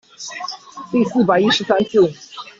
第四百一十三次